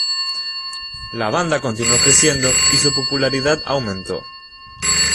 La banda continuó creciendo y su popularidad aumentó.